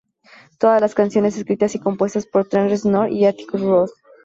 Todas las canciones escritas y compuestas por Trent Reznor y Atticus Ross.